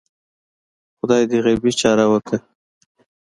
خدای دې غیبي چاره وکړه